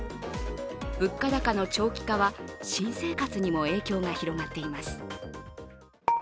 物価高の長期化は新生活にも影響が広がっています。